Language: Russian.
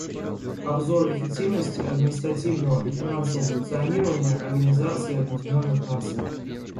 Обзор эффективности административного и финансового функционирования Организации Объединенных Наций.